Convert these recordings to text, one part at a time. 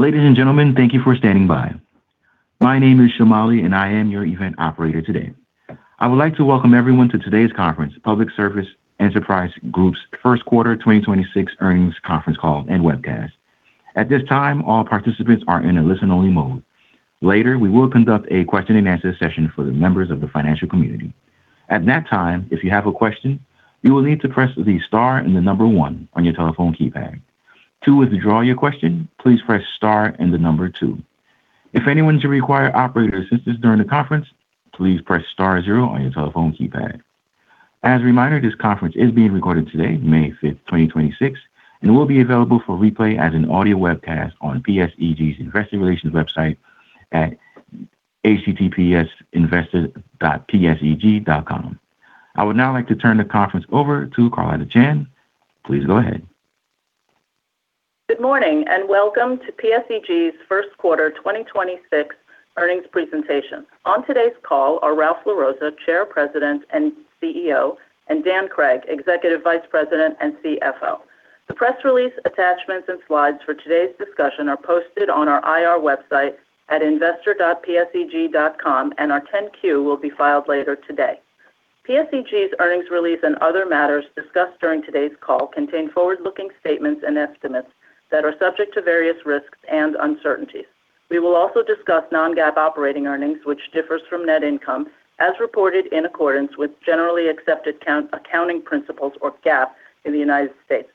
Ladies and gentlemen, thank you for standing by. My name is Shamali. I am your event operator today. I would like to welcome everyone to today's conference, Public Service Enterprise Group's 1st quarter 2026 earnings conference call and webcast. At this time, all participants are in a listen-only mode. Later, we will conduct a question-and-answer session for the members of the financial community. At that time, if you have a question, you will need to press the star and the number one on your telephone keypad. To withdraw your question, please press star and the number two. If anyone should require operator assistance during the conference, please press star zero on your telephone keypad. As a reminder, this conference is being recorded today, May 5th, 2026, and will be available for replay as an audio webcast on PSEG's Investor Relations website at https://investor.pseg.com. I would now like to turn the conference over to Carlotta Chan. Please go ahead. Good morning, and welcome to PSEG's first quarter 2026 earnings presentation. On today's call are Ralph LaRossa, Chair, President, and CEO, and Daniel Cregg, Executive Vice President and CFO. The press release attachments and slides for today's discussion are posted on our IR website at investor.pseg.com, and our 10-Q will be filed later today. PSEG's earnings release and other matters discussed during today's call contain forward-looking statements and estimates that are subject to various risks and uncertainties. We will also discuss non-GAAP operating earnings, which differs from net income, as reported in accordance with generally accepted accounting principles or GAAP in the United States.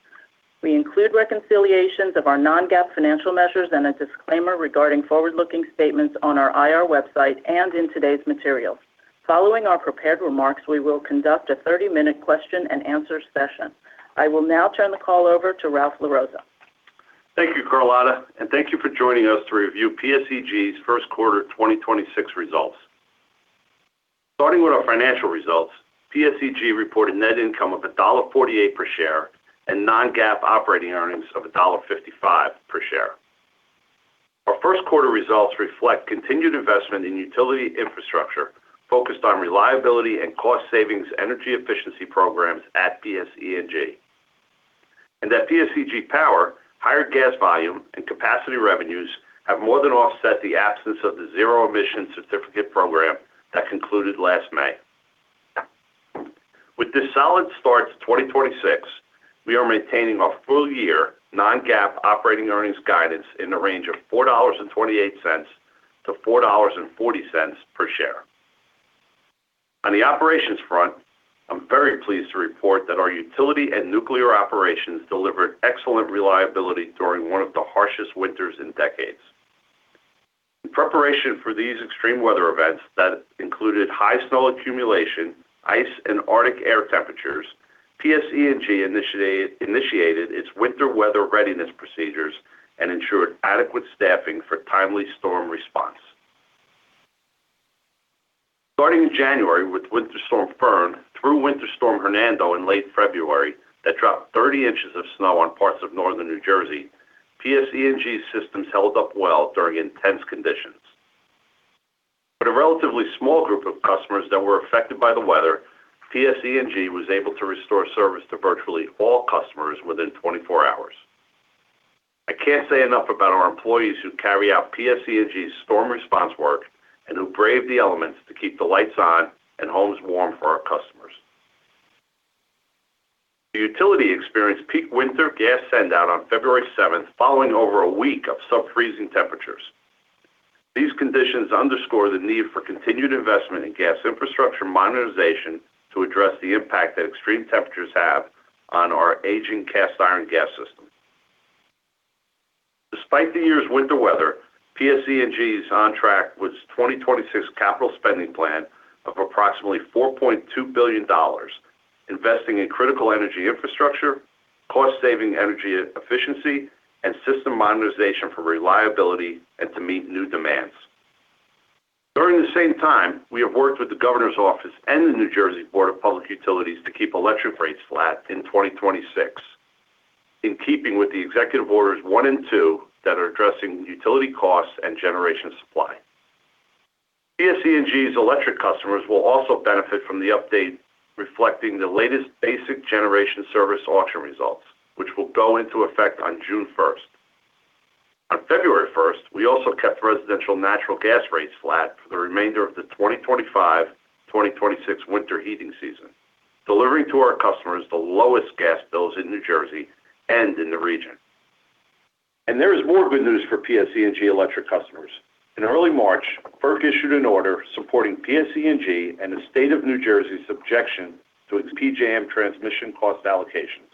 We include reconciliations of our non-GAAP financial measures and a disclaimer regarding forward-looking statements on our IR website and in today's materials. Following our prepared remarks, we will conduct a 30-minute question-and-answer session. I will now turn the call over to Ralph LaRossa. Thank you, Carlotta, and thank you for joining us to review PSEG's first quarter 2026 results. Starting with our financial results, PSEG reported net income of $1.48 per share and non-GAAP operating earnings of $1.55 per share. Our first quarter results reflect continued investment in utility infrastructure focused on reliability and cost savings energy efficiency programs at PSEG. At PSEG Power, higher gas volume and capacity revenues have more than offset the absence of the zero-emission certificate program that concluded last May. With this solid start to 2026, we are maintaining our full-year non-GAAP operating earnings guidance in the range of $4.28-$4.40 per share. On the operations front, I'm very pleased to report that our utility and nuclear operations delivered excellent reliability during one of the harshest winters in decades. In preparation for these extreme weather events that included high snow accumulation, ice, and arctic air temperatures, PSEG initiated its winter weather readiness procedures and ensured adequate staffing for timely storm response. Starting in January with Winter Storm Fern through Winter Storm Hernando in late February that dropped 30 inches of snow on parts of northern New Jersey, PSEG systems held up well during intense conditions. With a relatively small group of customers that were affected by the weather, PSEG was able to restore service to virtually all customers within 24 hours. I can't say enough about our employees who carry out PSEG's storm response work and who brave the elements to keep the lights on and homes warm for our customers. The utility experienced peak winter gas sendout on February 7 following over one week of subfreezing temperatures. These conditions underscore the need for continued investment in gas infrastructure modernization to address the impact that extreme temperatures have on our aging cast iron gas system. Despite the year's winter weather, PSEG is on track with its 2026 CapEx plan of approximately $4.2 billion, investing in critical energy infrastructure, cost-saving energy efficiency, and system modernization for reliability and to meet new demands. During the same time, we have worked with the governor's office and the New Jersey Board of Public Utilities to keep electric rates flat in 2026, in keeping with the executive orders one and two that are addressing utility costs and generation supply. PSEG's electric customers will also benefit from the update reflecting the latest Basic Generation Service Auction results, which will go into effect on June 1. On February 1st, we also kept residential natural gas rates flat for the remainder of the 2025/2026 winter heating season, delivering to our customers the lowest gas bills in New Jersey and in the region. There is more good news for PSEG electric customers. In early March, FERC issued an order supporting PSEG and the state of New Jersey's objection to its PJM transmission cost allocations.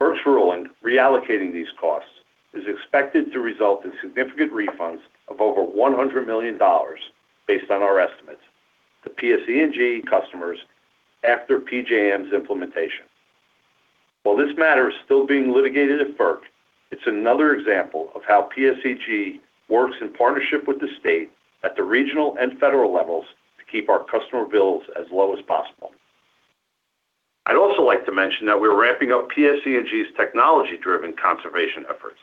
FERC's ruling reallocating these costs is expected to result in significant refunds of over $100 million based on our estimates to PSEG customers after PJM's implementation. While this matter is still being litigated at FERC, it's another example of how PSEG works in partnership with the state at the regional and federal levels to keep our customer bills as low as possible. I'd also like to mention that we're ramping up PSEG's technology-driven conservation efforts.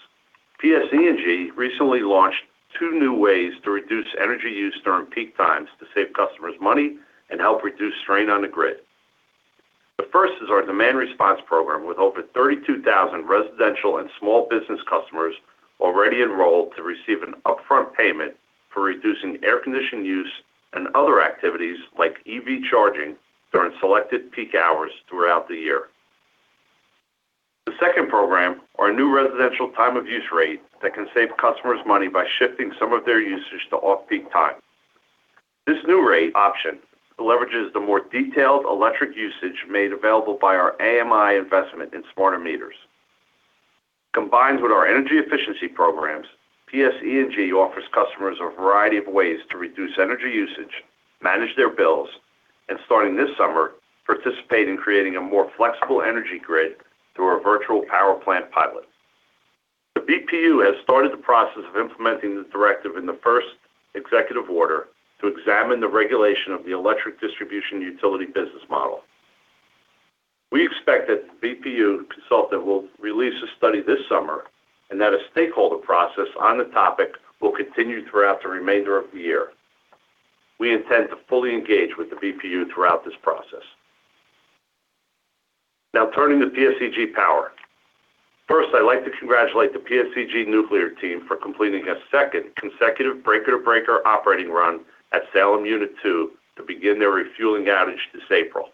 PSEG recently launched two new ways to reduce energy use during peak times to save customers money and help reduce strain on the grid. The first is our demand response program with over 32,000 residential and small business customers already enrolled to receive an upfront payment for reducing air condition use and other activities like EV charging during selected peak hours throughout the year. The second program are new residential Time-of-Use rate that can save customers money by shifting some of their usage to off-peak time. This new rate option leverages the more detailed electric usage made available by our AMI investment in smarter meters. Combined with our energy efficiency programs, PSEG offers customers a variety of ways to reduce energy usage, manage their bills, and starting this summer, participate in creating a more flexible energy grid through our virtual power plant pilot. The BPU has started the process of implementing the directive in the first executive order to examine the regulation of the electric distribution utility business model. We expect that the BPU consultant will release a study this summer, and that a stakeholder process on the topic will continue throughout the remainder of the year. We intend to fully engage with the BPU throughout this process. Turning to PSEG Power. First, I'd like to congratulate the PSEG Nuclear team for completing a second consecutive breaker-to-breaker operating run at Salem Unit Two to begin their refueling outage this April.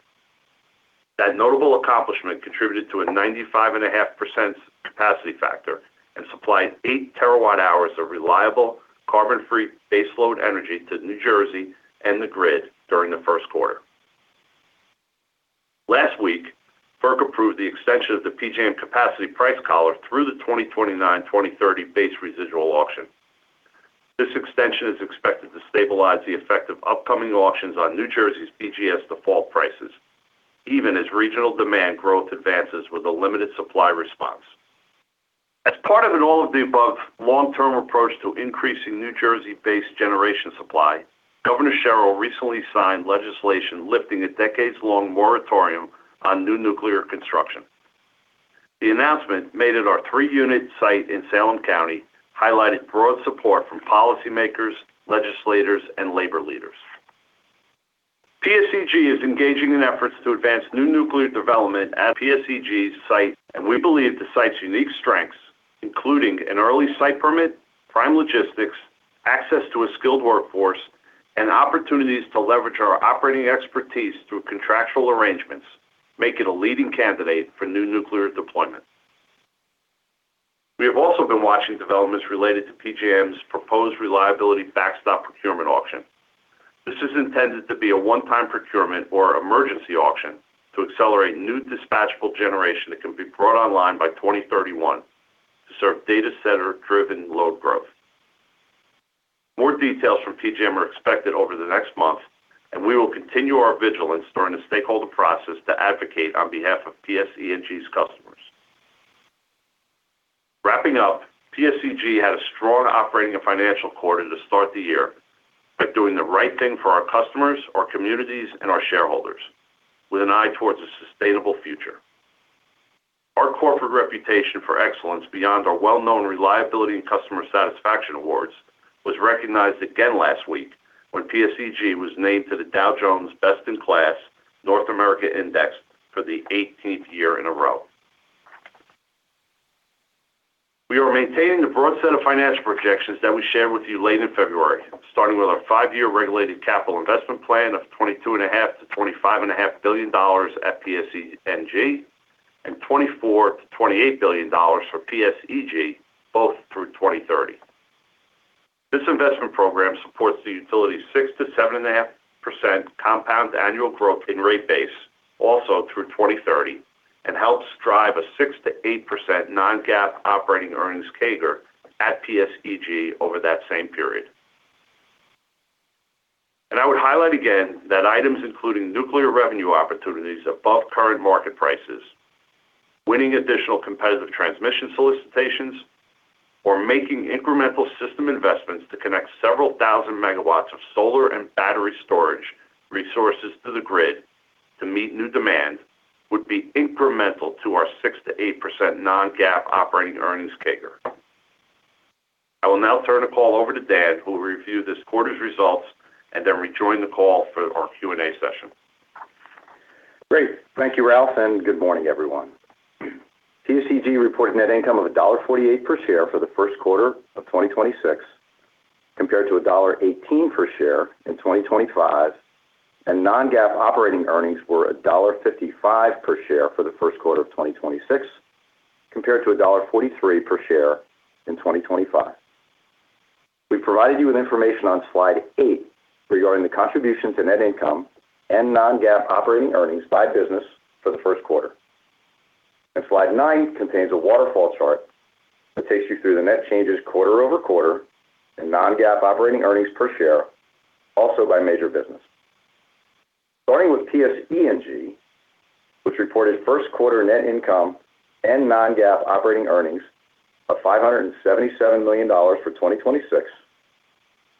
That notable accomplishment contributed to a 95.5% capacity factor and supplied 8 terawatt-hours of reliable carbon-free baseload energy to New Jersey and the grid during the first quarter. Last week, FERC approved the extension of the PJM capacity price collar through the 2029/2030 Base Residual Auction. This extension is expected to stabilize the effect of upcoming auctions on New Jersey's BGS default prices, even as regional demand growth advances with a limited supply response. As part of an all-of-the-above long-term approach to increasing New Jersey-based generation supply, Governor Sherrill recently signed legislation lifting a decades-long moratorium on new nuclear construction. The announcement made at our three-unit site in Salem County highlighted broad support from policymakers, legislators, and labor leaders. PSEG is engaging in efforts to advance new nuclear development at PSEG's site, and we believe the site's unique strengths, including an early site permit, prime logistics, access to a skilled workforce, and opportunities to leverage our operating expertise through contractual arrangements, make it a leading candidate for new nuclear deployment. We have also been watching developments related to PJM's proposed reliability backstop procurement auction. This is intended to be a one-time procurement or emergency auction to accelerate new dispatchable generation that can be brought online by 2031 to serve data center-driven load growth. More details from PJM are expected over the next month, and we will continue our vigilance during the stakeholder process to advocate on behalf of PSEG's customers. Wrapping up, PSEG had a strong operating and financial quarter to start the year by doing the right thing for our customers, our communities, and our shareholders with an eye towards a sustainable future. Our corporate reputation for excellence beyond our well-known reliability and customer satisfaction awards was recognized again last week when PSEG was named to the Dow Jones Sustainability North America Index for the 18th year in a row. We are maintaining the broad set of financial projections that we shared with you late in February, starting with our five year regulated capital investment plan of $22.5 billion-$25.5 billion at PSEG and $24 billion-$28 billion for PSEG, both through 2030. This investment program supports the utility's 6%-7.5% compound annual growth in rate base also through 2030 and helps drive a 6%-8% non-GAAP operating earnings CAGR at PSEG over that same period. I would highlight again that items including nuclear revenue opportunities above current market prices, winning additional competitive transmission solicitations or making incremental system investments to connect several thousand MW of solar and battery storage resources to the grid to meet new demand would be incremental to our 6%-8% non-GAAP operating earnings CAGR. I will now turn the call over to Dan, who will review this quarter's results and then rejoin the call for our Q&A session. Great. Thank you, Ralph. Good morning, everyone. PSEG reported net income of $1.48 per share for the first quarter of 2026, compared to $1.18 per share in 2025. Non-GAAP operating earnings were $1.55 per share for the first quarter of 2026, compared to $1.43 per share in 2025. We provided you with information on slide 8 regarding the contributions to net income and non-GAAP operating earnings by business for the first quarter. Slide nine contains a waterfall chart that takes you through the net changes quarter-over-quarter and non-GAAP operating earnings per share, also by major business. Starting with PSEG, which reported first quarter net income and non-GAAP operating earnings of $577 million for 2026,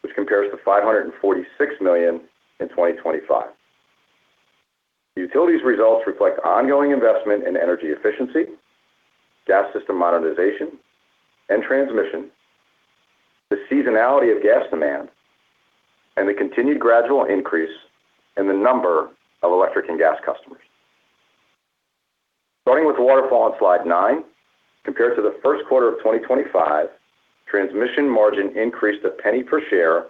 which compares to $546 million in 2025. The utility's results reflect ongoing investment in energy efficiency, gas system modernization, and transmission. The seasonality of gas demand and the continued gradual increase in the number of electric and gas customers. Starting with waterfall on slide nine, compared to the first quarter of 2025, transmission margin increased $0.01 per share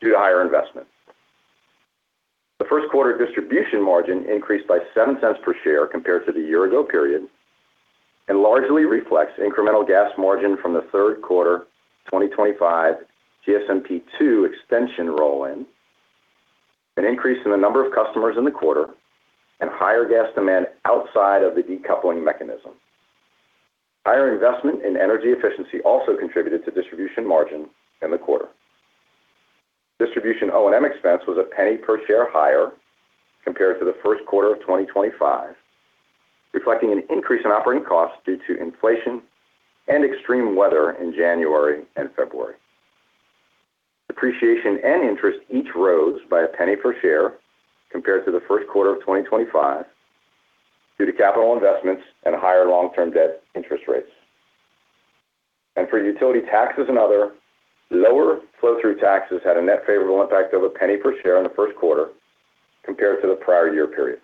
due to higher investment. The first quarter distribution margin increased by $0.07 per share compared to the year-ago period and largely reflects incremental gas margin from the third quarter 2025 GSMP II extension roll-in, an increase in the number of customers in the quarter, and higher gas demand outside of the decoupling mechanism. Higher investment in energy efficiency also contributed to distribution margin in the quarter. Distribution O&M expense was $0.01 per share higher compared to the first quarter of 2025, reflecting an increase in operating costs due to inflation and extreme weather in January and February. Depreciation and interest each rose by $0.01 per share compared to the first quarter of 2025 due to capital investments and higher long-term debt interest rates. For utility taxes and other, lower flow-through taxes had a net favorable impact of $0.01 per share in the first quarter compared to the prior year period.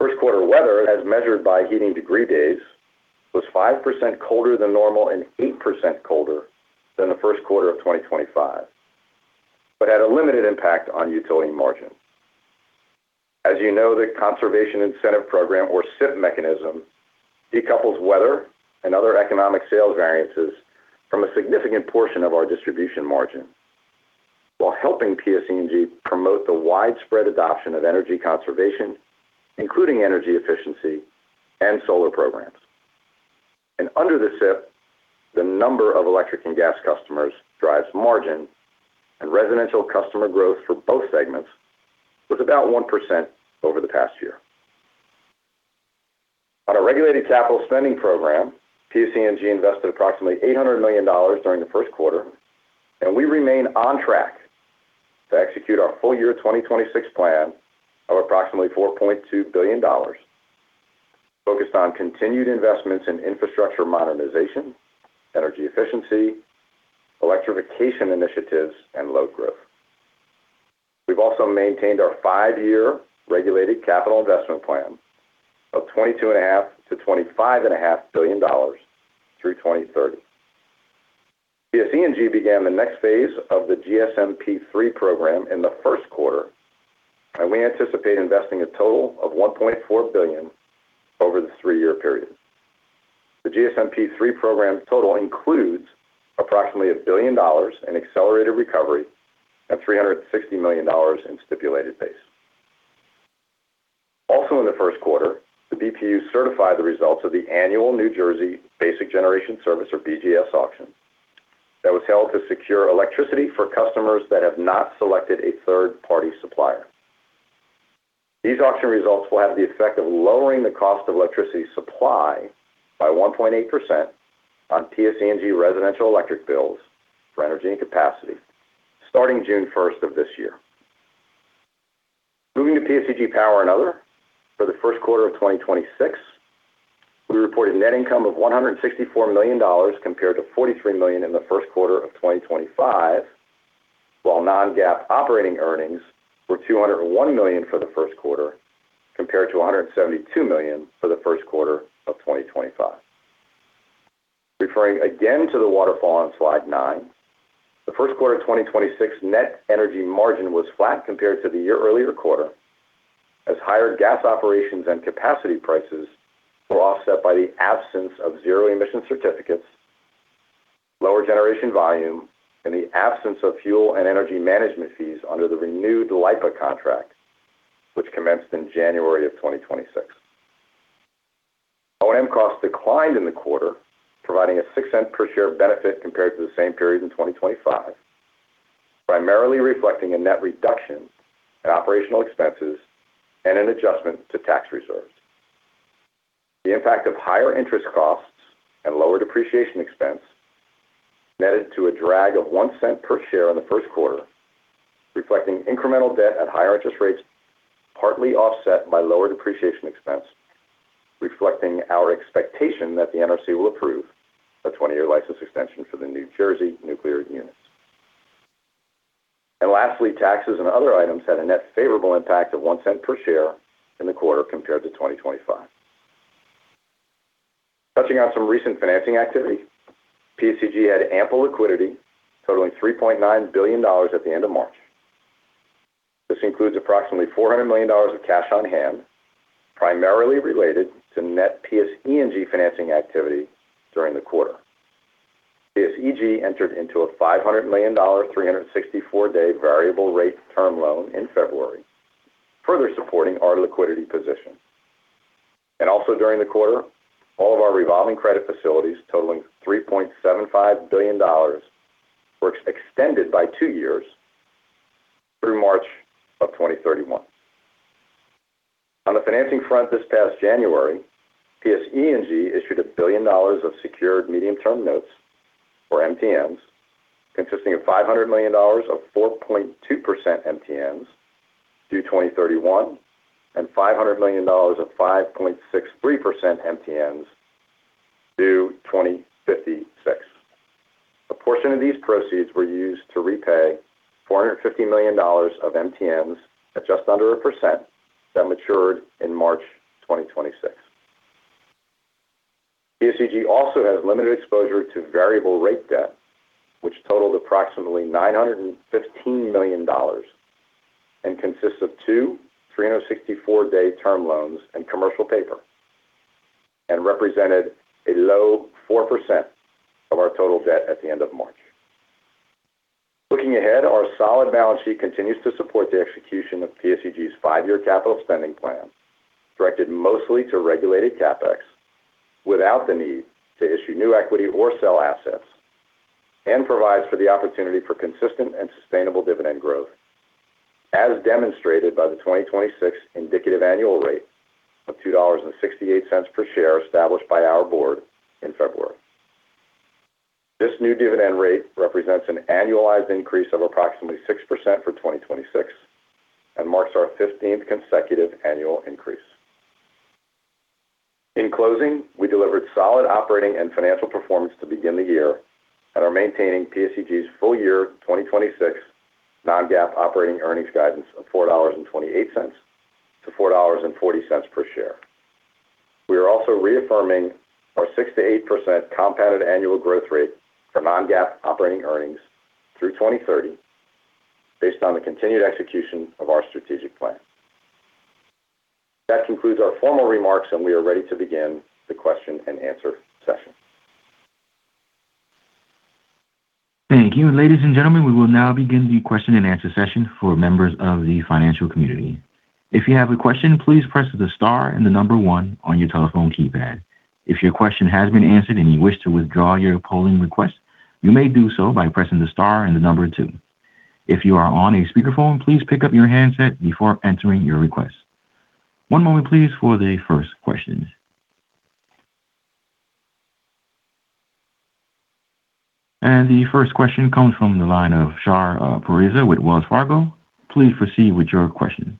First quarter weather, as measured by heating degree days, was 5% colder than normal and 8% colder than the first quarter of 2025, but had a limited impact on utility margins. As you know, the Conservation Incentive Program, or CIP mechanism, decouples weather and other economic sales variances from a significant portion of our distribution margin while helping PSE&G promote the widespread adoption of energy conservation, including energy efficiency and solar programs. Under the CIP, the number of electric and gas customers drives margin, and residential customer growth for both segments was about 1% over the past year. On a regulated capital spending program, PSE&G invested approximately $800 million during the first quarter, and we remain on track to execute our full-year 2026 plan of approximately $4.2 billion focused on continued investments in infrastructure modernization, energy efficiency, electrification initiatives, and load growth. We've also maintained our five-year regulated capital investment plan of $22.5 billion-$25.5 billion through 2030. PSE&G began the next phase of the GSMP III program in the first quarter, and we anticipate investing a total of $1.4 billion over the three-year period. The GSMP III program total includes approximately $1 billion in accelerated recovery and $360 million in stipulated base. Also in the first quarter, the BPU certified the results of the annual New Jersey Basic Generation Service, or BGS auction, that was held to secure electricity for customers that have not selected a third-party supplier. These auction results will have the effect of lowering the cost of electricity supply by 1.8% on PSE&G residential electric bills for energy and capacity starting June 1 of this year. Moving to PSEG Power and Other, for the first quarter of 2026, we reported net income of $164 million compared to $43 million in the first quarter of 2025, while non-GAAP operating earnings were $201 million for the first quarter compared to $172 million for the first quarter of 2025. Referring again to the waterfall on slide nine, the first quarter of 2026 net energy margin was flat compared to the year earlier quarter as higher gas operations and capacity prices were offset by the absence of zero-emission certificates, lower generation volume, and the absence of fuel and energy management fees under the renewed LIPA contract, which commenced in January of 2026. O&M costs declined in the quarter, providing a $0.06 per share benefit compared to the same period in 2025, primarily reflecting a net reduction in operational expenses and an adjustment to tax reserves. The impact of higher interest costs and lower depreciation expense netted to a drag of $0.01 per share in the first quarter, reflecting incremental debt at higher interest rates, partly offset by lower depreciation expense, reflecting our expectation that the NRC will approve a 20-year license extension for the New Jersey nuclear units. Lastly, taxes and other items had a net favorable impact of $0.01 per share in the quarter compared to 2025. Touching on some recent financing activity, PSEG had ample liquidity totaling $3.9 billion at the end of March. This includes approximately $400 million of cash on hand, primarily related to net PSE&G financing activity during the quarter. PSE&G entered into a $500 million, 364-day variable rate term loan in February, further supporting our liquidity position. Also during the quarter, all of our revolving credit facilities totaling $3.75 billion were extended by two years through March of 2031. On the financing front this past January, PSE&G issued $1 billion of secured Medium-Term Notes, or MTNs, consisting of $500 million of 4.2% MTNs. To 2031 and $500 million of 5.63% MTNs to 2056. A portion of these proceeds were used to repay $450 million of MTNs at just under 1% that matured in March 2026. PSEG also has limited exposure to variable rate debt, which totaled approximately $915 million and consists of two 364-day term loans and commercial paper, and represented a low 4% of our total debt at the end of March. Looking ahead, our solid balance sheet continues to support the execution of PSEG's five year capital spending plan, directed mostly to regulated CapEx without the need to issue new equity or sell assets, and provides for the opportunity for consistent and sustainable dividend growth, as demonstrated by the 2026 indicative annual rate of $2.68 per share established by our board in February. This new dividend rate represents an annualized increase of approximately 6% for 2026 and marks our 15th consecutive annual increase. In closing, we delivered solid operating and financial performance to begin the year and are maintaining PSEG's full year 2026 non-GAAP operating earnings guidance of $4.28 to $4.40 per share. We are also reaffirming our 6%-8% compounded annual growth rate for non-GAAP operating earnings through 2030 based on the continued execution of our strategic plan. That concludes our formal remarks, and we are ready to begin the question and answer session. Thank you. Ladies and gentlemen, we will now begin the question and answer session for members of the financial community. If you have a question, please press the star and the number one on your telephone keypad. If your question has been answered and you wish to withdraw your polling request, you may do so by pressing the star and the number two. If you are on a speakerphone, please pick up your handset before entering your request. One moment please for the first question. The first question comes from the line of Shar Pourreza with Wells Fargo. Please proceed with your question.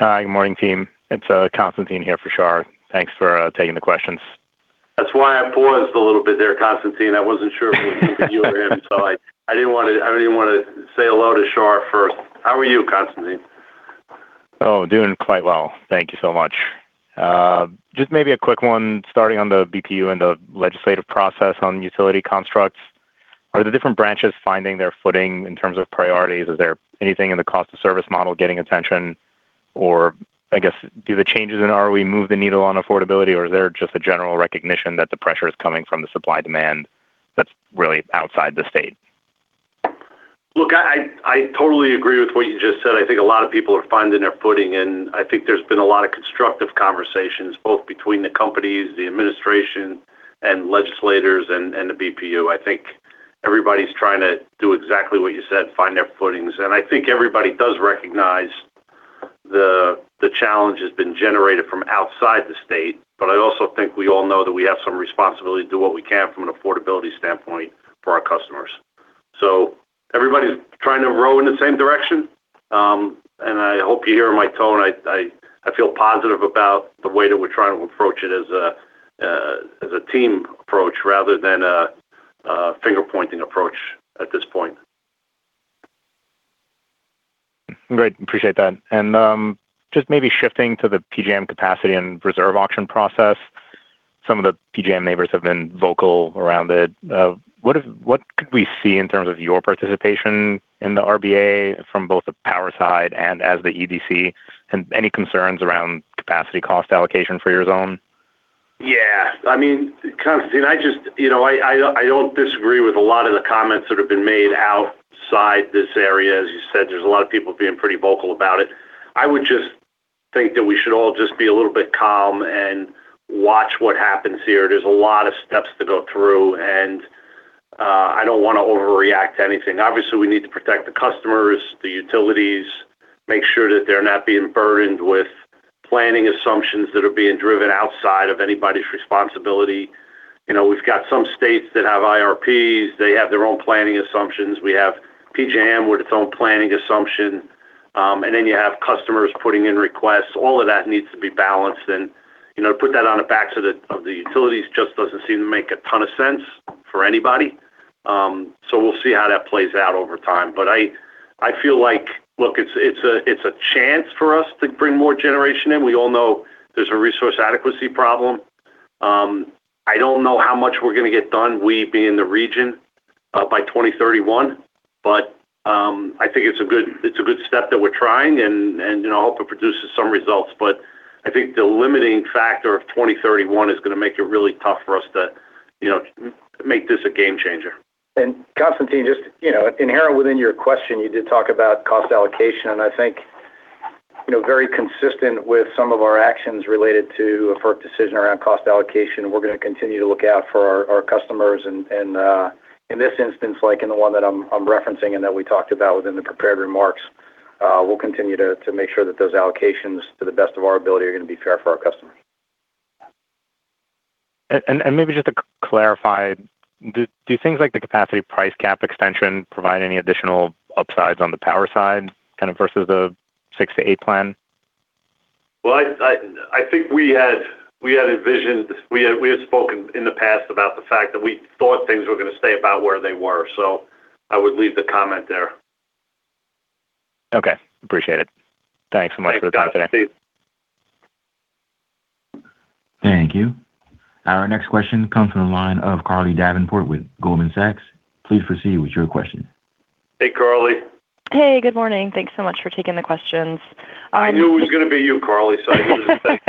Hi, good morning, team. It's Constantine here for Shar. Thanks for taking the questions. That's why I paused a little bit there, Constantine. I wasn't sure if it was you or him. I didn't even wanna say hello to Shar first. How are you, Constantine? Oh, doing quite well. Thank you so much. Just maybe a quick one starting on the BPU and the legislative process on utility constructs. Are the different branches finding their footing in terms of priorities? Is there anything in the cost of service model getting attention? I guess, do the changes in ROE move the needle on affordability, or is there just a general recognition that the pressure is coming from the supply demand that's really outside the state? Look, I totally agree with what you just said. I think a lot of people are finding their footing. I think there's been a lot of constructive conversations, both between the companies, the administration and legislators and the BPU. I think everybody's trying to do exactly what you said, find their footings. I think everybody does recognize the challenge has been generated from outside the state. I also think we all know that we have some responsibility to do what we can from an affordability standpoint for our customers. Everybody's trying to row in the same direction. I hope you hear my tone. I feel positive about the way that we're trying to approach it as a team approach rather than a finger-pointing approach at this point. Great. Appreciate that. Just maybe shifting to the PJM capacity and reserve auction process. Some of the PJM neighbors have been vocal around it. What could we see in terms of your participation in the RBA from both the power side and as the EDC, and any concerns around capacity cost allocation for your zone? Yeah. I mean, Constantine, you know, I don't disagree with a lot of the comments that have been made outside this area. As you said, there's a lot of people being pretty vocal about it. I would just think that we should all just be a little bit calm and watch what happens here. There's a lot of steps to go through. I don't wanna overreact to anything. Obviously, we need to protect the customers, the utilities, make sure that they're not being burdened with planning assumptions that are being driven outside of anybody's responsibility. You know, we've got some states that have IRPs. They have their own planning assumptions. We have PJM with its own planning assumption. Then you have customers putting in requests. All of that needs to be balanced and, you know, to put that on the backs of the, of the utilities just doesn't seem to make a ton of sense for anybody. We'll see how that plays out over time. I feel like, look, it's a, it's a chance for us to bring more generation in. We all know there's a resource adequacy problem. I don't know how much we're gonna get done, we being the region, by 2031. I think it's a good, it's a good step that we're trying and, you know, hope it produces some results. I think the limiting factor of 2031 is gonna make it really tough for us to, you know, make this a game changer. Constantine, just, you know, inherent within your question, you did talk about cost allocation, and I think, you know, very consistent with some of our actions related to a FERC decision around cost allocation, we're gonna continue to look out for our customers. In this instance, like in the one that I'm referencing and that we talked about within the prepared remarks, we'll continue to make sure that those allocations to the best of our ability are gonna be fair for our customers. Maybe just to clarify, do things like the capacity price cap extension provide any additional upsides on the power side kind of versus the 6-8 plan? Well, I think we had spoken in the past about the fact that we thought things were gonna stay about where they were. I would leave the comment there. Okay. Appreciate it. Thanks so much for the confidence. Thanks. Thank you. Our next question comes from the line of Carly Davenport with Goldman Sachs. Please proceed with your question. Hey, Carly. Hey, good morning. Thanks so much for taking the questions. I knew it was gonna be you, Carly, so I.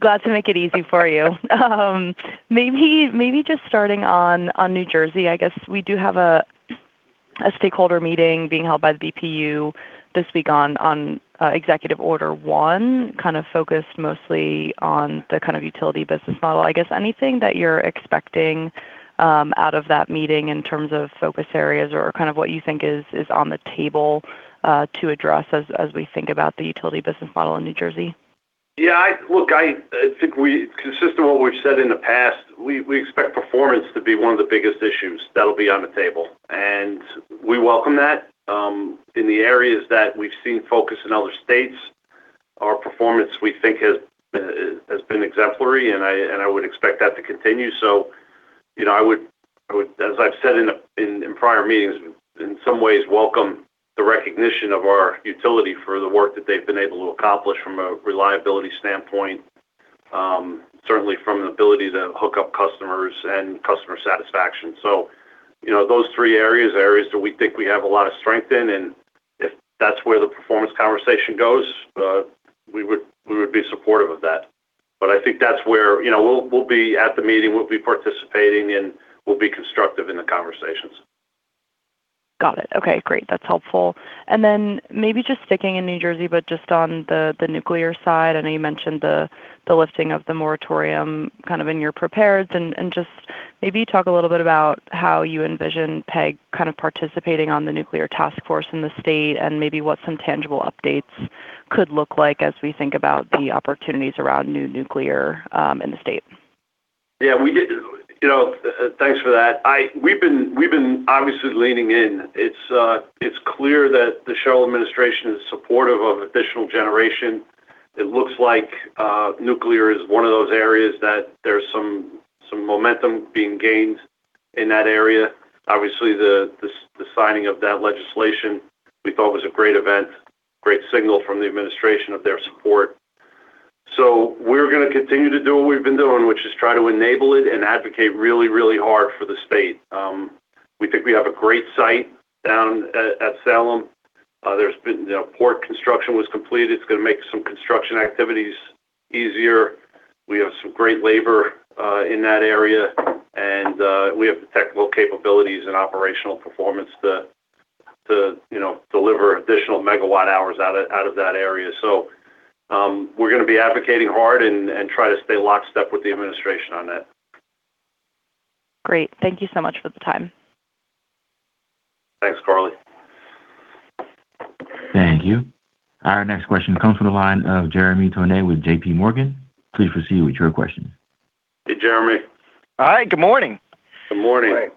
Glad to make it easy for you. Maybe just starting on New Jersey, I guess we do have a stakeholder meeting being held by the BPU this week on Executive Order one, kind of focused mostly on the utility business model. I guess anything that you're expecting out of that meeting in terms of focus areas or what you think is on the table to address as we think about the utility business model in New Jersey? Yeah, I think we, consistent with what we've said in the past, we expect performance to be one of the biggest issues that'll be on the table, and we welcome that. In the areas that we've seen focus in other states, our performance, we think, has been exemplary, and I would expect that to continue. You know, I would, as I've said in prior meetings, in some ways welcome the recognition of our utility for the work that they've been able to accomplish from a reliability standpoint, certainly from an ability to hook up customers and customer satisfaction. You know, those three areas are areas that we think we have a lot of strength in, and if that's where the performance conversation goes, we would be supportive of that. I think that's where you know, we'll be at the meeting, we'll be participating, and we'll be constructive in the conversations. Got it. Okay, great. That's helpful. Maybe just sticking in New Jersey, but just on the nuclear side, I know you mentioned the lifting of the moratorium kind of in your prepares. Just maybe talk a little bit about how you envision PSEG kind of participating on the nuclear task force in the state, and maybe what some tangible updates could look like as we think about the opportunities around new nuclear in the state. You know, thanks for that. We've been obviously leaning in. It's clear that the Sherrill administration is supportive of additional generation. It looks like nuclear is one of those areas that there's some momentum being gained in that area. Obviously, the signing of that legislation we thought was a great event, great signal from the administration of their support. We're gonna continue to do what we've been doing, which is try to enable it and advocate really, really hard for the state. We think we have a great site down at Salem. There's been, you know, port construction was completed. It's gonna make some construction activities easier. We have some great labor in that area, and we have the technical capabilities and operational performance to, you know, deliver additional megawatt hours out of that area. We're gonna be advocating hard and try to stay lockstep with the administration on that. Great. Thank you so much for the time. Thanks, Carly. Thank you. Our next question comes from the line of Jeremy Tonet with JPMorgan. Please proceed with your question. Hey, Jeremy. Hi, good morning. Good morning.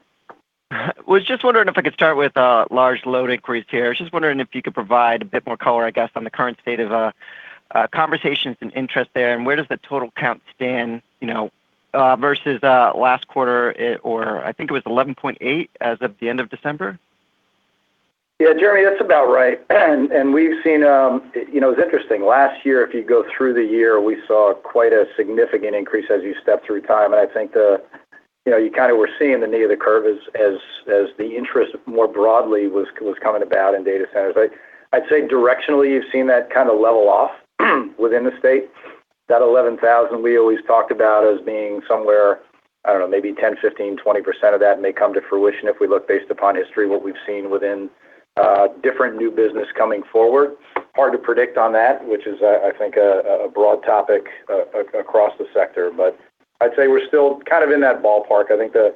Was just wondering if I could start with large load increase here. Just wondering if you could provide a bit more color, I guess, on the current state of conversations and interest there, and where does the total count stand, you know, versus last quarter or I think it was 11.8 as of the end of December? Yeah, Jeremy, that's about right. We've seen, you know, it's interesting. Last year, if you go through the year, we saw quite a significant increase as you step through time, and I think the, you know, you kind of were seeing the knee of the curve as the interest more broadly was coming about in data centers. I'd say directionally, you've seen that kind of level off within the state. That 11,000 we always talked about as being somewhere, I don't know, maybe 10%, 15%, 20% of that may come to fruition if we look based upon history what we've seen within different new business coming forward. Hard to predict on that, which is, I think a broad topic across the sector. I'd say we're still kind of in that ballpark. I think the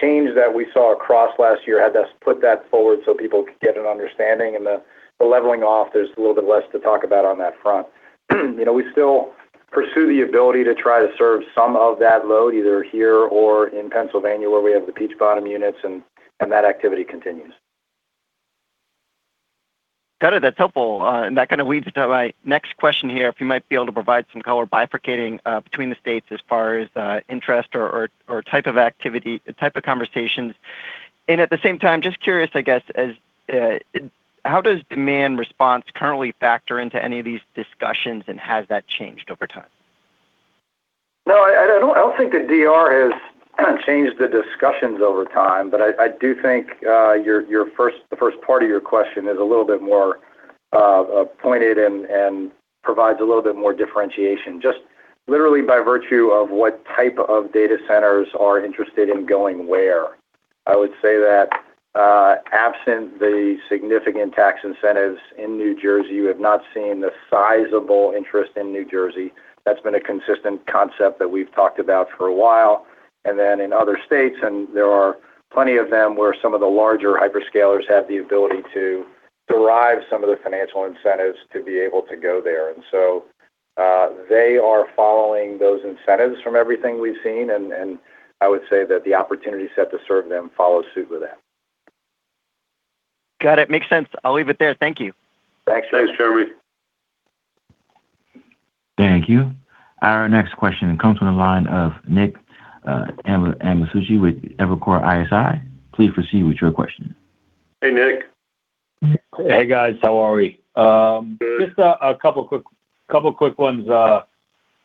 change that we saw across last year had us put that forward so people could get an understanding. The leveling off, there's a little bit less to talk about on that front. You know, we still pursue the ability to try to serve some of that load, either here or in Pennsylvania, where we have the Peach Bottom units and that activity continues. Got it. That's helpful. That kind of leads to my next question here, if you might be able to provide some color bifurcating between the states as far as interest or type of activity, type of conversations. At the same time, just curious, I guess, as how does demand response currently factor into any of these discussions, and has that changed over time? No, I don't think the DR has changed the discussions over time, but I do think the first part of your question is a little bit more pointed and provides a little bit more differentiation, just literally by virtue of what type of data centers are interested in going where. I would say that, absent the significant tax incentives in New Jersey, we have not seen the sizable interest in New Jersey. That's been a consistent concept that we've talked about for a while. In other states, and there are plenty of them, where some of the larger hyperscalers have the ability to. Derive some of the financial incentives to be able to go there. They are following those incentives from everything we've seen, and I would say that the opportunity set to serve them follows suit with that. Got it. Makes sense. I'll leave it there. Thank you. Thanks. Thanks, Jeremy. Thank you. Our next question comes from the line of Nick Amicucci with Evercore ISI. Please proceed with your question. Hey, Nick. Hey, guys. How are we? Good just a couple quick ones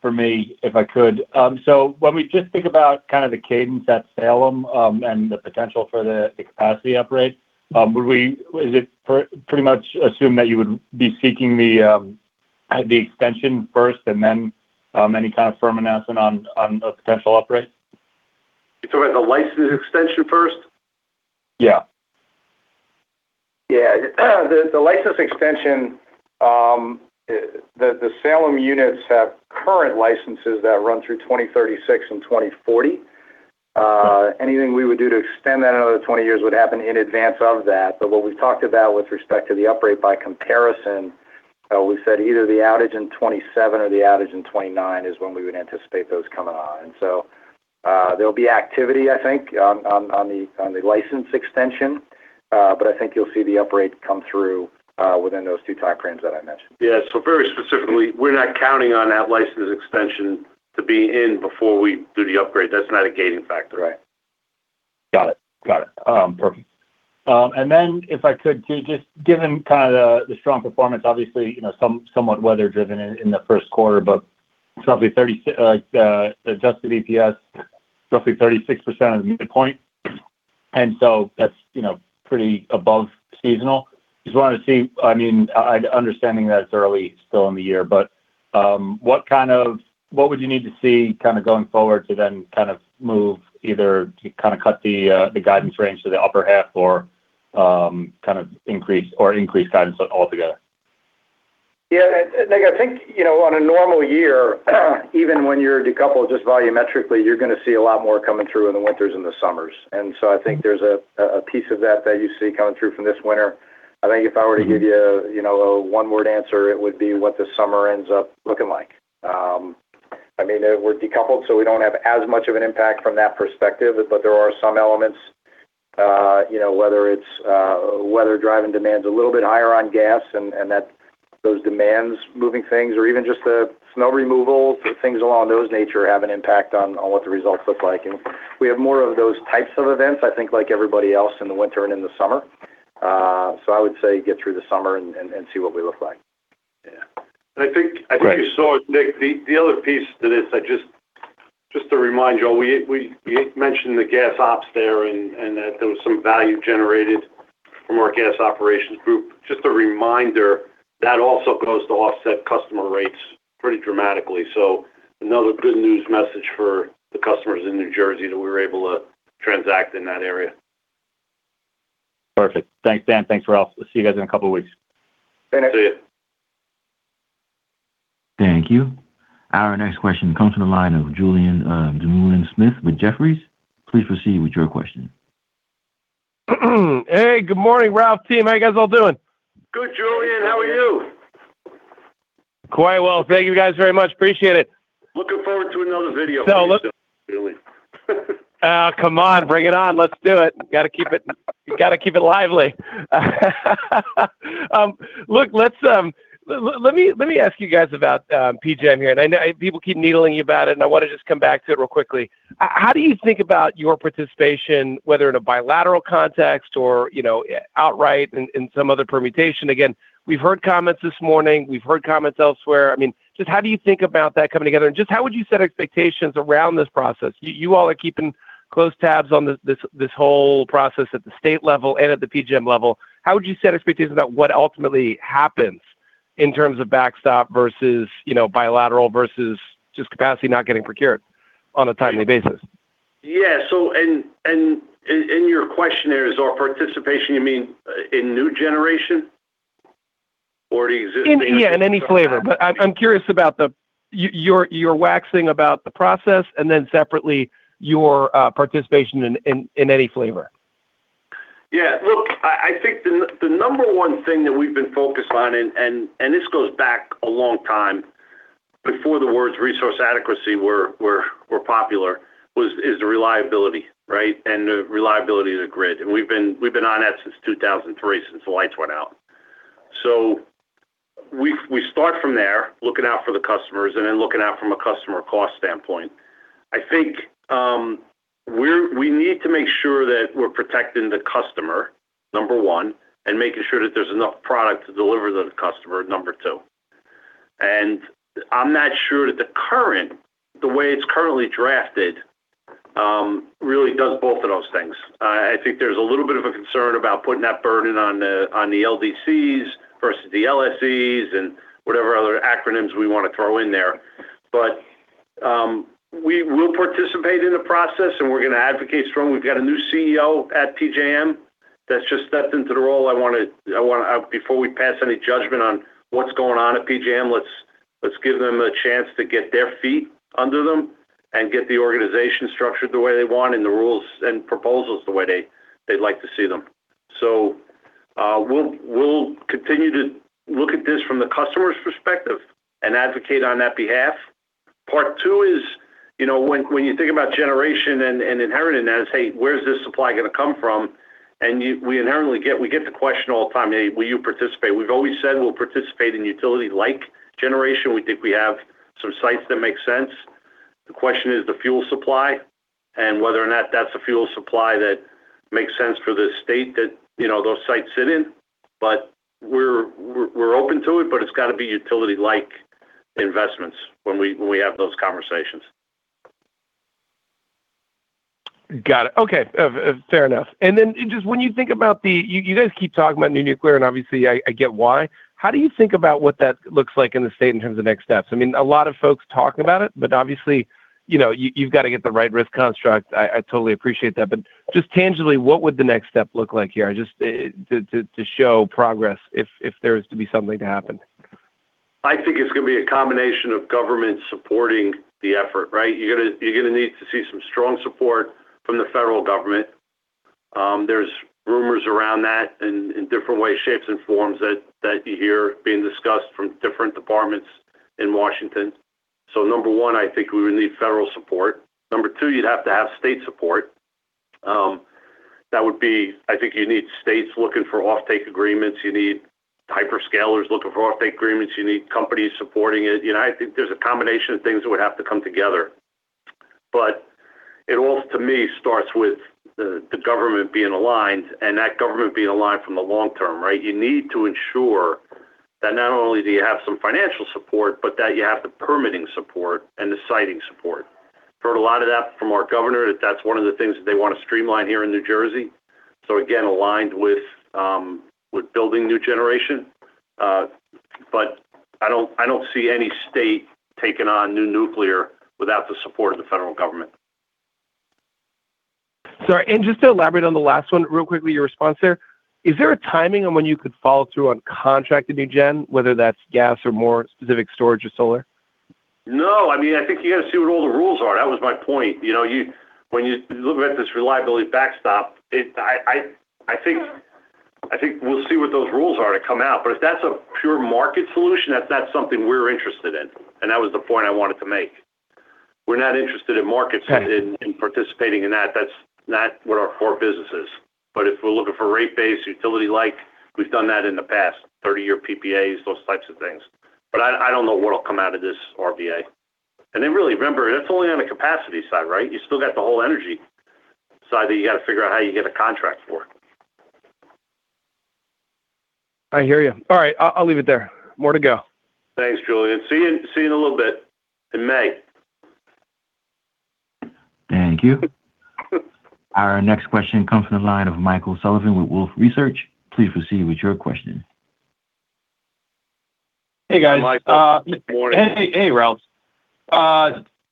for me, if I could. When we just think about kind of the cadence at Salem and the potential for the capacity upgrade, would we pretty much assume that you would be seeking the extension first and then any kind of firm announcement on a potential upgrade? You're talking about the license extension first? Yeah. Yeah. The license extension, the Salem units have current licenses that run through 2036 and 2040. Anything we would do to extend that another 20 years would happen in advance of that. What we've talked about with respect to the upgrade by comparison, we said either the outage in 2027 or the outage in 2029 is when we would anticipate those coming on. There'll be activity, I think, on the license extension. I think you'll see the upgrade come through within those two time frames that I mentioned. Yeah. Very specifically, we're not counting on that license extension to be in before we do the upgrade. That's not a gating factor, right? Got it. Got it. Perfect. Then if I could, to just given kind of the strong performance, obviously, you know, somewhat weather driven in the first quarter, but roughly 36 adjusted EPS, roughly 36% of midpoint. That's, you know, pretty above seasonal. Just wanted to see I mean, understanding that it's early still in the year, what would you need to see kind of going forward to then kind of move either to kind of cut the guidance range to the upper half or kind of increase guidance all together? Yeah. Nick, I think, you know, on a normal year, even when you're decoupled just volumetrically, you're gonna see a lot more coming through in the winters and the summers. I think there's a piece of that that you see coming through from this winter. I think if I were to give you know, a one-word answer, it would be what the summer ends up looking like. I mean, we're decoupled, we don't have as much of an impact from that perspective. There are some elements, you know, whether it's weather-driven demand's a little bit higher on gas and that those demands moving things or even just the snow removal, things along those nature have an impact on what the results look like. We have more of those types of events, I think, like everybody else in the winter and in the summer. I would say get through the summer and see what we look like. Yeah. Right I think you saw it, Nick. The other piece to this, just to remind you all, we mentioned the gas ops there and that there was some value generated from our gas operations group. Just a reminder, that also goes to offset customer rates pretty dramatically. Another good news message for the customers in New Jersey that we were able to transact in that area. Perfect. Thanks, Dan. Thanks, Ralph. I'll see you guys in a couple of weeks. See you. See you. Thank you. Our next question comes from the line of Julien Dumoulin-Smith with Jefferies. Please proceed with your question. Hey, good morning, Ralph, team. How you guys all doing? Good, Julien. How are you? Quite well. Thank you, guys, very much. Appreciate it. Looking forward to another video from you soon, Julien. Oh, come on, bring it on. Let's do it. Gotta keep it lively. Look, let me ask you guys about PJM here. I know people keep needling you about it, and I wanna just come back to it real quickly. How do you think about your participation, whether in a bilateral context or, you know, outright in some other permutation? Again, we've heard comments this morning. We've heard comments elsewhere. I mean, just how do you think about that coming together? Just how would you set expectations around this process? You all are keeping close tabs on this whole process at the state level and at the PJM level. How would you set expectations about what ultimately happens in terms of backstop versus, you know, bilateral versus just capacity not getting procured on a timely basis? Yeah. In your questionnaires or participation, you mean in new generation or existing-? In, yeah, in any flavor. I'm curious about your waxing about the process and then separately your participation in any flavor. Yeah. Look, I think the number one thing that we've been focused on, and this goes back a long time before the words resource adequacy were popular was, is the reliability, right? The reliability of the grid. We've been on that since 2003, since the lights went out. We start from there, looking out for the customers and then looking out from a customer cost standpoint. I think we need to make sure that we're protecting the customer, number one, and making sure that there's enough product to deliver to the customer, number two. I'm not sure that the current, the way it's currently drafted, really does both of those things. I think there's a little bit of a concern about putting that burden on the LDCs versus the LSEs and whatever other acronyms we wanna throw in there. We will participate in the process, and we're gonna advocate strong. We've got a new CEO at PJM that's just stepped into the role. I wanna before we pass any judgment on what's going on at PJM, let's give them a chance to get their feet under them and get the organization structured the way they want, and the rules and proposals the way they'd like to see them. We'll continue to look at this from the customer's perspective and advocate on that behalf. Part two is, you know, when you think about generation and inheriting that, it's, "Hey, where's this supply gonna come from?" We inherently get the question all the time, "Hey, will you participate?" We've always said we'll participate in utility-like generation. We think we have some sites that make sense. The question is the fuel supply, and whether or not that's a fuel supply that makes sense for the state that, you know, those sites sit in. We're open to it, but it's gotta be utility-like investments when we have those conversations. Got it. Okay. Fair enough. When you think about you guys keep talking about new nuclear, and obviously I get why. How do you think about what that looks like in the state in terms of next steps? I mean, a lot of folks talk about it, but obviously, you know, you've gotta get the right risk construct. I totally appreciate that. Just tangibly, what would the next step look like here? Just to show progress if there is to be something to happen. I think it's gonna be a combination of government supporting the effort, right? You're gonna need to see some strong support from the federal government. There's rumors around that in different ways, shapes, and forms that you hear being discussed from different departments in Washington. Number one, I think we would need federal support. Number two, you'd have to have state support. I think you need states looking for offtake agreements. You need hyperscalers looking for offtake agreements. You need companies supporting it. You know, I think there's a combination of things that would have to come together. It all, to me, starts with the government being aligned, and that government being aligned from the long term, right? You need to ensure that not only do you have some financial support, but that you have the permitting support and the siting support. Heard a lot of that from our governor, that that's one of the things that they want to streamline here in New Jersey. Again, aligned with building new generation. I don't see any state taking on new nuclear without the support of the federal government. Sorry, just to elaborate on the last one real quickly, your response there. Is there a timing on when you could follow through on contracted new gen, whether that's gas or more specific storage or solar? No. I mean, I think you gotta see what all the rules are. That was my point. You know, when you look at this reliability backstop, I think we'll see what those rules are to come out. If that's a pure market solution, that's not something we're interested in, and that was the point I wanted to make. We're not interested in markets. Right In participating in that. That's not what our core business is. If we're looking for rate base, utility-like, we've done that in the past, 30-year PPAs, those types of things. I don't know what'll come out of this RBA. Really, remember, that's only on the capacity side, right? You still got the whole energy side that you gotta figure out how you get a contract for. I hear you. All right. I'll leave it there. More to go. Thanks, Julien. See you in a little bit, in May. Thank you. Our next question comes from the line of Michael Sullivan with Wolfe Research. Please proceed with your question. Hey, guys. Hi, Michael. Good morning. Hey, hey, Ralph.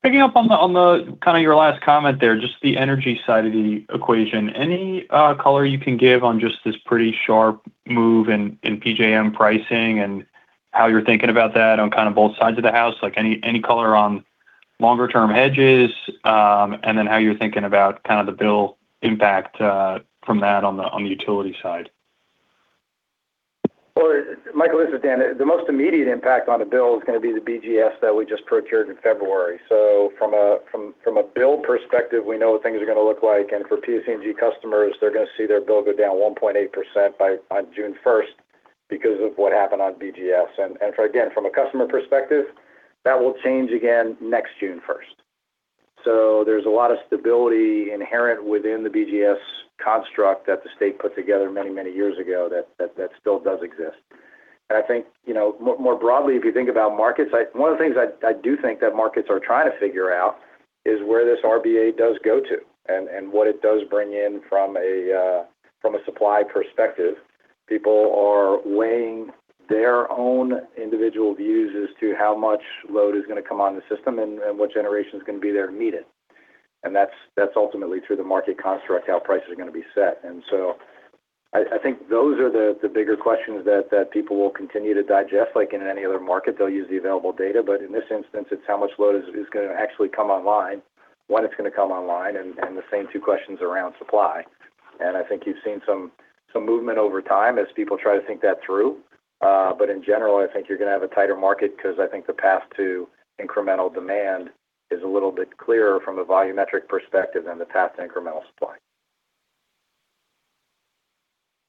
Picking up on the kind of your last comment there, just the energy side of the equation. Any color you can give on just this pretty sharp move in PJM pricing and how you're thinking about that on kind of both sides of the house? Like any color on longer term hedges, and then how you're thinking about kind of the bill impact from that on the utility side? Well, Michael, this is Dan. The most immediate impact on the bill is gonna be the BGS that we just procured in February. From a bill perspective, we know what things are gonna look like. For PSE&G customers, they're gonna see their bill go down 1.8% on June 1st because of what happened on BGS. Again, from a customer perspective, that will change again next June 1st. There's a lot of stability inherent within the BGS construct that the state put together many, many years ago that still does exist. I think, you know, more broadly if you think about markets, one of the things I do think that markets are trying to figure out is where this RBA does go to, and what it does bring in from a supply perspective. People are weighing their own individual views as to how much load is gonna come on the system and what generation is gonna be there to meet it, and that's ultimately through the market construct how prices are gonna be set. I think those are the bigger questions that people will continue to digest. Like in any other market, they'll use the available data, but in this instance it's how much load is gonna actually come online, when it's gonna come online, and the same two questions around supply. I think you've seen some movement over time as people try to think that through. In general, I think you're gonna have a tighter market because I think the path to incremental demand is a little bit clearer from a volumetric perspective than the path to incremental supply.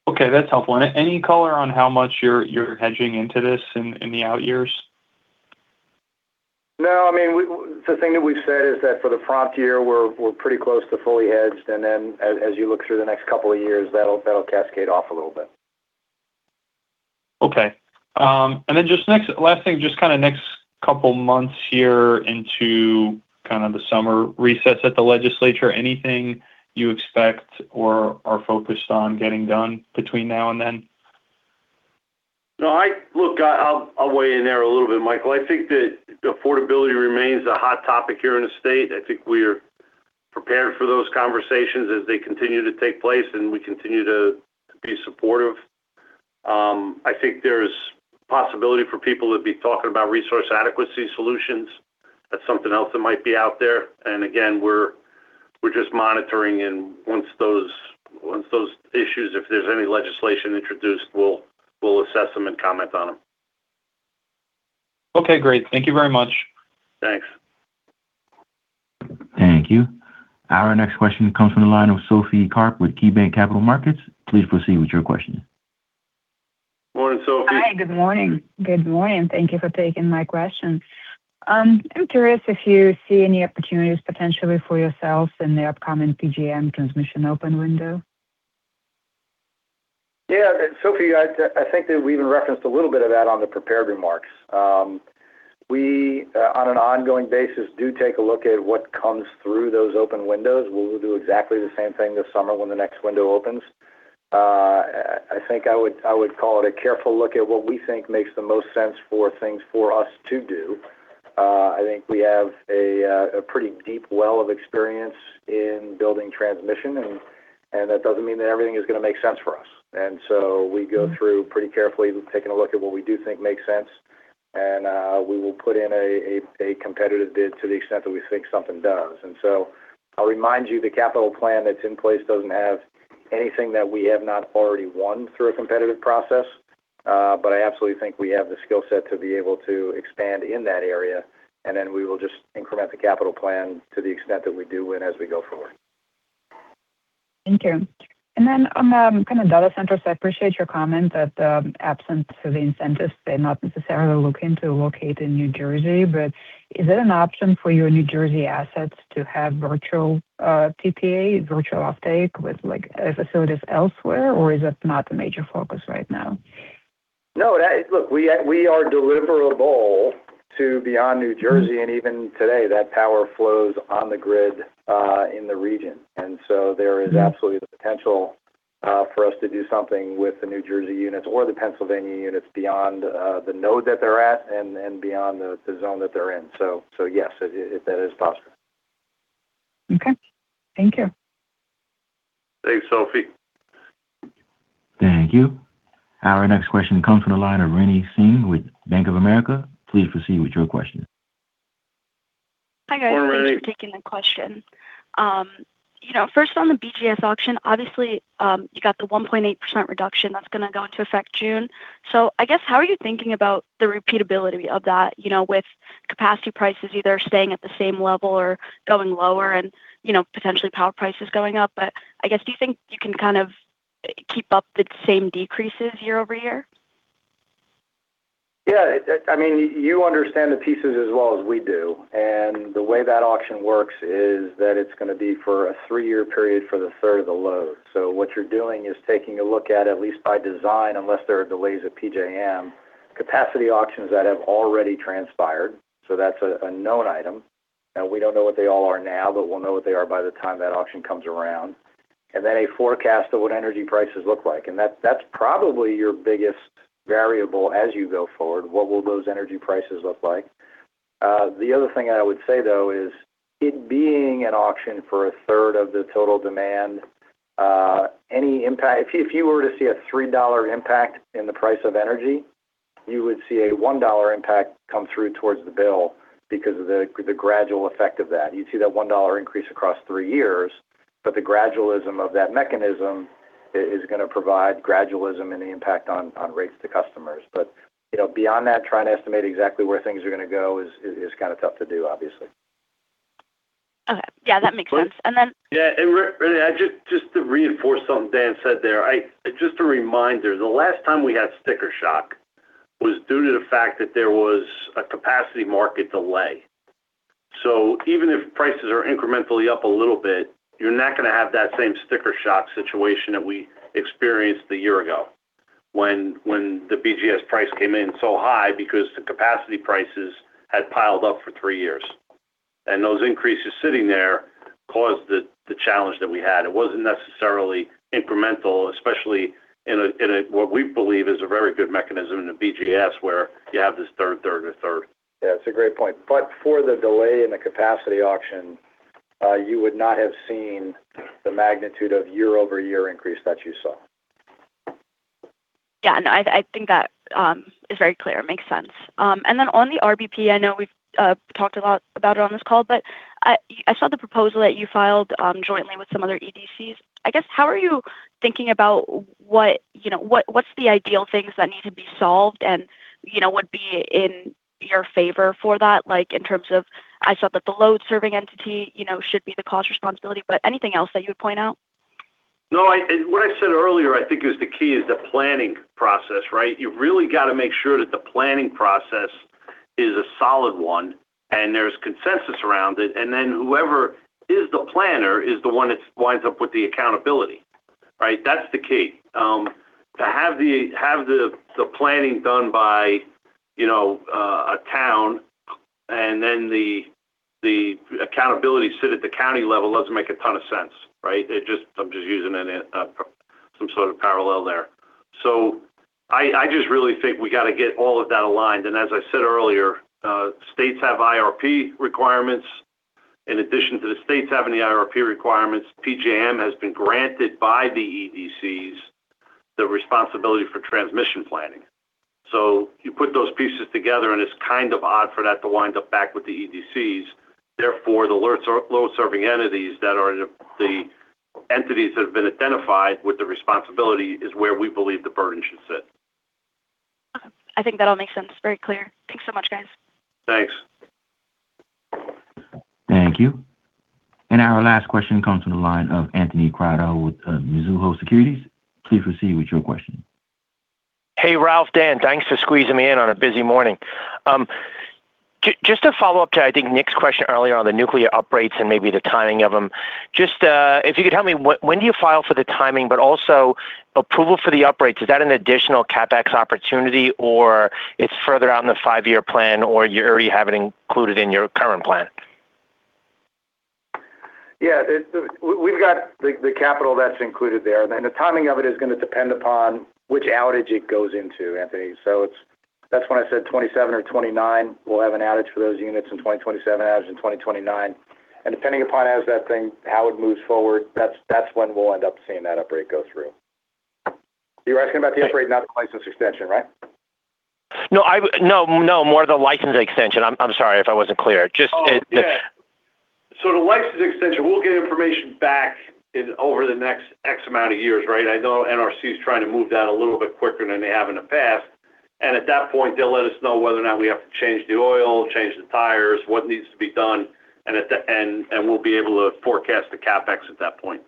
Okay, that's helpful. Any color on how much you're hedging into this in the out years? No. I mean, the thing that we've said is that for the prompt year, we're pretty close to fully hedged. Then as you look through the next couple of years, that'll cascade off a little bit. Okay. Last thing, just kind of next couple months here into kind of the summer recess at the legislature, anything you expect or are focused on getting done between now and then? I'll weigh in there a little bit, Michael. I think that affordability remains a hot topic here in the state. I think we are prepared for those conversations as they continue to take place, and we continue to be supportive. I think there's possibility for people to be talking about resource adequacy solutions. That's something else that might be out there. Again, we're just monitoring. Once those issues, if there's any legislation introduced, we'll assess them and comment on them. Okay, great. Thank you very much. Thanks. Thank you. Our next question comes from the line of Sophie Karp with KeyBanc Capital Markets. Please proceed with your question. Morning, Sophie. Hi, good morning. Good morning. Thank you for taking my question. I'm curious if you see any opportunities potentially for yourselves in the upcoming PJM transmission open window. Yeah. Sophie, I think that we even referenced a little bit of that on the prepared remarks. We, on an ongoing basis, do take a look at what comes through those open windows. We'll do exactly the same thing this summer when the next window opens. I think I would call it a careful look at what we think makes the most sense for things for us to do. I think we have a pretty deep well of experience in building transmission, and that doesn't mean that everything is gonna make sense for us. We go through pretty carefully taking a look at what we do think makes sense, and we will put in a competitive bid to the extent that we think something does. I'll remind you, the capital plan that's in place doesn't have anything that we have not already won through a competitive process. I absolutely think we have the skill set to be able to expand in that area. We will just increment the capital plan to the extent that we do win as we go forward. Thank you. On the kind of data centers, I appreciate your comment that, absent of the incentives, they're not necessarily looking to locate in New Jersey. Is it an option for your New Jersey assets to have virtual PPA, virtual offtake with, like, facilities elsewhere, or is that not a major focus right now? No, look, we are deliverable to beyond New Jersey, and even today, that power flows on the grid in the region. There is absolutely the potential for us to do something with the New Jersey units or the Pennsylvania units beyond the node that they're at and beyond the zone that they're in. Yes, that is possible. Okay. Thank you. Thanks, Sophie. Thank you. Our next question comes from the line of Rinny Singh with Bank of America. Please proceed with your question. Hi, Rinny. Hi, guys. Thanks for taking the question. you know, first on the BGS auction, obviously, you got the 1.8% reduction that's going to go into effect June. I guess, how are you thinking about the repeatability of that, you know, with capacity prices either staying at the same level or going lower and, you know, potentially power prices going up? I guess, do you think you can kind of keep up the same decreases year-over-year? I mean, you understand the pieces as well as we do, and the way that auction works is that it's gonna be for a three year period for the third of the load. What you're doing is taking a look at least by design, unless there are delays at PJM, capacity auctions that have already transpired, so that's a known item. We don't know what they all are now, but we'll know what they are by the time that auction comes around. Then a forecast of what energy prices look like. That's probably your biggest variable as you go forward, what will those energy prices look like? The other thing I would say, though, is it being an auction for a third of the total demand, if you were to see a $3 impact in the price of energy, you would see a $1 impact come through towards the bill because of the gradual effect of that. You'd see that $1 increase across three years, but the gradualism of that mechanism is gonna provide gradualism in the impact on rates to customers. You know, beyond that, trying to estimate exactly where things are gonna go is kind of tough to do, obviously. Okay. Yeah, that makes sense. But- And then- Yeah. Rinny, I just to reinforce something Dan said there, just a reminder, the last time we had sticker shock was due to the fact that there was a capacity market delay. Even if prices are incrementally up a little bit, you're not gonna have that same sticker shock situation that we experienced a year ago when the BGS price came in so high because the capacity prices had piled up for three years. Those increases sitting there caused the challenge that we had. It wasn't necessarily incremental, especially in a what we believe is a very good mechanism in the BGS. Yeah, it's a great point. For the delay in the capacity auction, you would not have seen the magnitude of year-over-year increase that you saw. Yeah. No, I think that is very clear. It makes sense. And then on the RBA, I know we've talked a lot about it on this call, but I saw the proposal that you filed jointly with some other EDCs. I guess, how are you thinking about what, you know, what's the ideal things that need to be solved and, you know, would be in your favor for that? Like, in terms of I saw that the Load Serving Entity, you know, should be the cost responsibility, but anything else that you would point out? No, what I said earlier, I think is the key is the planning process, right? You really got to make sure that the planning process is a solid one and there's consensus around it, and then whoever is the planner is the one that winds up with the accountability, right? That's the key. To have the planning done by, you know, a town and then the accountability sit at the county level doesn't make a ton of sense, right? I'm just using some sort of parallel there. I just really think we gotta get all of that aligned. As I said earlier, states have IRP requirements. In addition to the states having the IRP requirements, PJM has been granted by the EDCs the responsibility for transmission planning. You put those pieces together, and it's kind of odd for that to wind up back with the EDCs. Therefore, the LSEs are load-serving entities that are the entities that have been identified with the responsibility is where we believe the burden should sit. Okay. I think that all makes sense. Very clear. Thanks so much, guys. Thanks. Thank you. Our last question comes from the line of Anthony Crowdell with Mizuho Securities. Please proceed with your question. Hey, Ralph, Dan, thanks for squeezing me in on a busy morning. Just a follow-up to, I think, Nick's question earlier on the nuclear uprates and maybe the timing of them. Just, if you could help me, when do you file for the timing, but also approval for the uprates, is that an additional CapEx opportunity, or it's further out in the five-year plan, or you already have it included in your current plan? Yeah. We've got the capital that's included there. The timing of it is gonna depend upon which outage it goes into, Anthony. That's when I said 2027 or 2029. We'll have an outage for those units in 2027, outage in 2029. Depending upon as that thing, how it moves forward, that's when we'll end up seeing that uprate go through. You're asking about the uprate, not the license extension, right? No, no, more the license extension. I'm sorry if I wasn't clear. Yeah. The license extension, we'll get information back in over the next X amount of years, right? I know NRC is trying to move that a little bit quicker than they have in the past. At that point, they'll let us know whether or not we have to change the oil, change the tires, what needs to be done. We'll be able to forecast the CapEx at that point.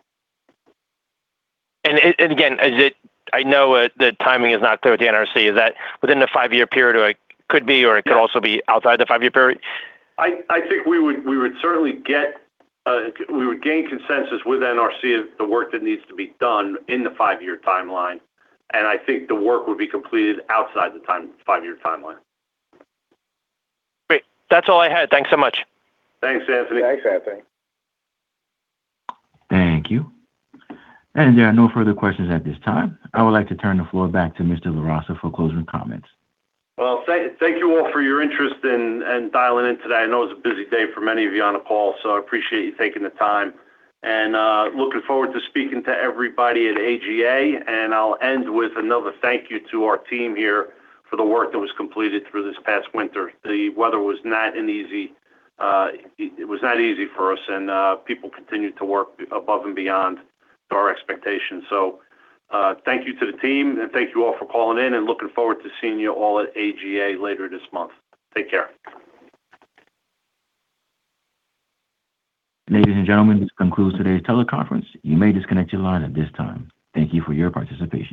Again, I know it, the timing is not clear with the NRC. Is that within the five year period or it could be, or it could also be outside the five year period? I think we would gain consensus with NRC of the work that needs to be done in the five year timeline, and I think the work would be completed outside the five year timeline. Great. That is all I had. Thanks so much. Thanks, Anthony. Thanks, Anthony. Thank you. There are no further questions at this time. I would like to turn the floor back to Mr. LaRossa for closing comments. Thank you all for your interest in and dialing in today. I know it's a busy day for many of you on the call, so I appreciate you taking the time. Looking forward to speaking to everybody at AGA. I'll end with another thank you to our team here for the work that was completed through this past winter. It was not easy for us, people continued to work above and beyond our expectations. Thank you to the team, thank you all for calling in, looking forward to seeing you all at AGA later this month. Take care. Ladies and gentlemen, this concludes today's teleconference. You may disconnect your line at this time. Thank you for your participation.